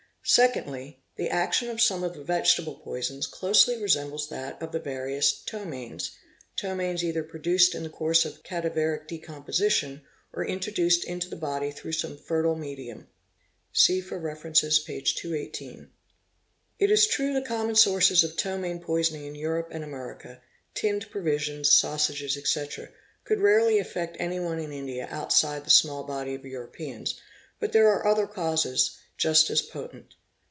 Secondly, the action of some of the vegetable poisons closely resembles that of the various ptomaines—ptomaines i? sither produced in the course of cadaveric decomposition, or introduced Bo nto the body through some fertile medium (see for references, p. 218, fe wte). It is true the common sources of ptomaine poisoning in Kurope b ee America, tinned provisions, sausages, etc., could rarely affect anyone a India outside the small body of Kuropeans, but there are other causes st as potent.